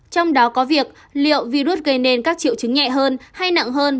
trong đó có việc liệu virus gây nên các triệu chứng nhẹ hơn hay nặng hơn